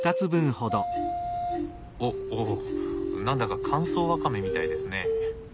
おっおっ何だか乾燥わかめみたいですね。